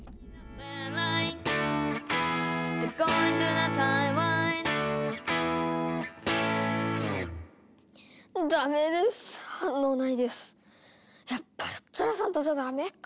やっぱルッチョラさんとじゃダメかぁ。